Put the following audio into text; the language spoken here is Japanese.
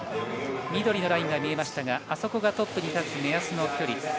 緑のラインが見えましたが、あそこがトップに立つ目安の距離。